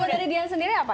kalau dari dian sendiri apa